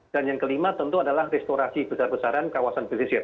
dan yang kelima tentu adalah restorasi besar besaran kawasan belisir